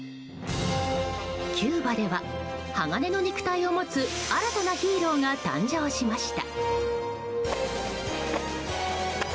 キューバでは、鋼の肉体を持つ新たなヒーローが誕生しました。